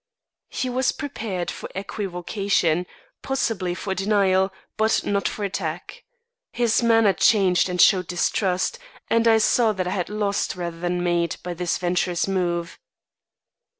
He was prepared for equivocation, possibly for denial, but not for attack. His manner changed and showed distrust and I saw that I had lost rather than made by this venturous move.